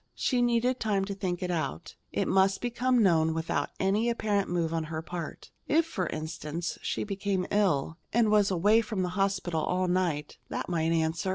She needed time to think it out. It must become known without any apparent move on her part. If, for instance, she became ill, and was away from the hospital all night, that might answer.